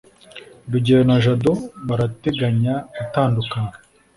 rugeyo na jabo barateganya gutandukana